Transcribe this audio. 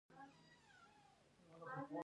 ایا زه باید بیر وڅښم؟